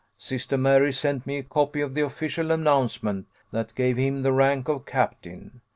Sister Mary sent me a copy of the official announcement, that gave him the rank of captain.